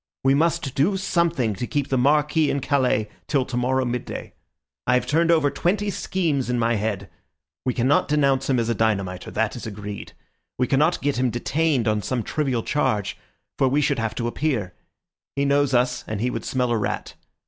We must do something to keep the Marquis in Calais till tomorrow midday. I have turned over twenty schemes in my head. We cannot denounce him as a dynamiter; that is agreed. We cannot get him detained on some trivial charge, for we should have to appear; he knows us, and he would smell a rat.